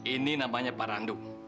ini namanya pak randu